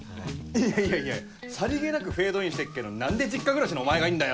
いやいやさりげなくフェードインしてっけど何で実家暮らしのお前がいんだよ！